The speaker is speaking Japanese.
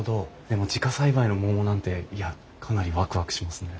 でも自家栽培の桃なんていやかなりわくわくしますね。